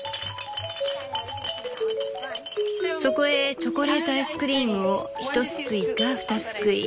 「そこへチョコレートアイスクリームを１すくいか２すくい」。